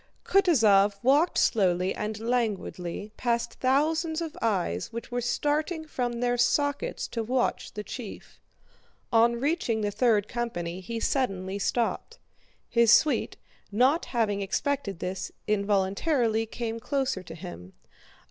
Kutúzov walked slowly and languidly past thousands of eyes which were starting from their sockets to watch their chief. On reaching the third company he suddenly stopped. His suite, not having expected this, involuntarily came closer to him.